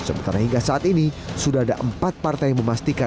sementara hingga saat ini sudah ada empat partai yang memastikan